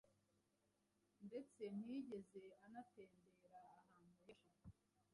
ndetse ntiyigeze anatembera ahantu henshi